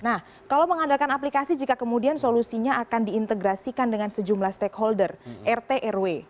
nah kalau mengandalkan aplikasi jika kemudian solusinya akan diintegrasikan dengan sejumlah stakeholder rt rw